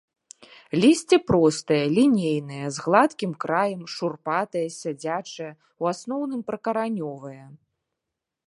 Лісце простае, лінейнае, з гладкім краем, шурпатае, сядзячае, у асноўным прыкаранёвае.